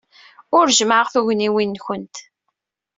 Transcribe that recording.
Ur jemmɛeɣ tugniwin-nwent.